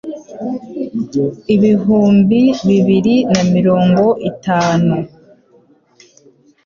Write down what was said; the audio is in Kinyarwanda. ibihumbi bibiri na mirongo itanu